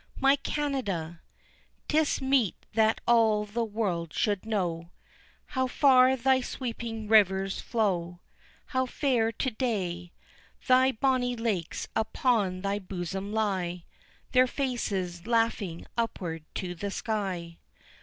My Canada! 'Tis meet that all the world should know How far thy sweeping rivers flow, How fair to day Thy bonnie lakes upon thy bosom lie, Their faces laughing upward to the sky.